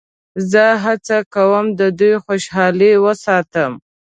زه هڅه کوم د دوی خوشحالي وساتم.